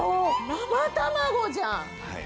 生卵じゃん！